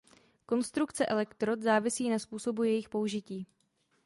Konstrukce elektrod závisí na způsobu jejich použití.